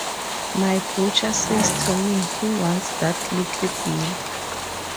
My butcher says to me he wants that little bill.